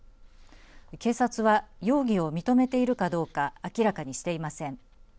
警察は容疑を認めているかどうか明らかにしていません。